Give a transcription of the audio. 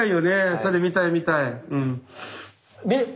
それ見たい見たい。